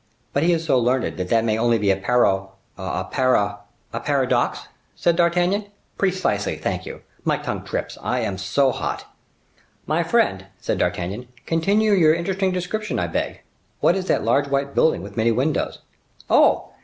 But he is so learned that that may be only a paro—a para—" "A paradox," said D'Artagnan. "Precisely; thank you! my tongue trips, I am so hot." "My friend," said D'Artagnan, "continue your interesting description, I beg. What is that large white building with many windows?" "Oh!